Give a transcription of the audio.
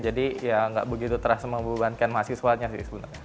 jadi ya enggak begitu terasa membebankan mahasiswanya sih sebenarnya